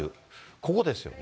ここですよね。